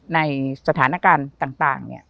ในสถานการณ์ต่างเนี่ย